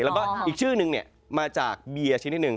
แล้วก็อีกชื่อนึงมาจากเบียร์ชนิดหนึ่ง